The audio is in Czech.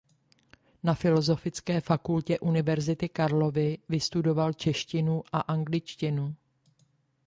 Na Filosofické fakultě Univerzity Karlovy vystudoval češtinu a angličtinu.